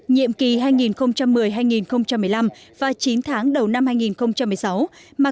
nhiệm kỳ hai nghìn một mươi hai nghìn một mươi năm và chín tháng đầu năm hai nghìn một mươi sáu